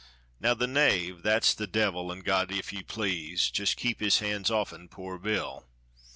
Now the 'knave,' that's the devil, an' God, if ye please, Jist keep his hands off'n poor Bill.